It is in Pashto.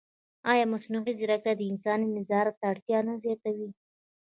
ایا مصنوعي ځیرکتیا د انساني نظارت اړتیا نه زیاتوي؟